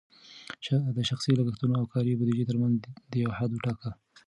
د شخصي لګښتونو او کاري بودیجې ترمنځ دې یو حد وټاکه.